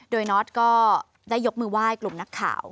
โดยน็อตก็ได้ยกมือไหว้กลุ่มนักข่าว